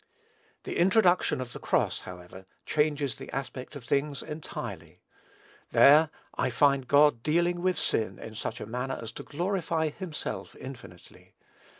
The introduction of the cross, however, changes the aspect of things entirely. There I find God dealing with sin in such a manner as to glorify himself infinitely.